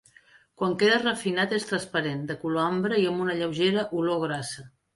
Quan queda refinat és transparent, de color ambre i amb una lleugera olor grassa.